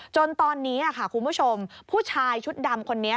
จนตอนนี้ค่ะคุณผู้ชมผู้ชายชุดดำคนนี้